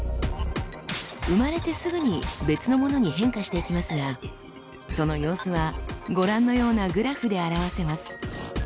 生まれてすぐに別のものに変化していきますがその様子はご覧のようなグラフで表せます。